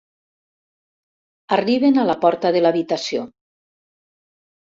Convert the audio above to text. Arriben a la porta de l'habitació.